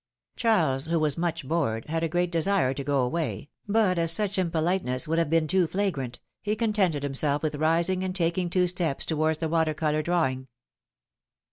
Charles, who was much bored, had a great desire to go away, but as such impoliteness would have been too flagrant, he contented himself with rising and taking two steps towards the water color drawing.